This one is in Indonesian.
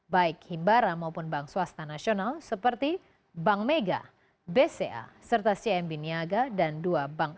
baik himbara maupun bank swasta nasional seperti bank mega bca serta cmb niaga dan dua bank